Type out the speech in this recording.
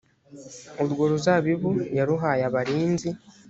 urwo ruzabibu yaruhaye abarinzi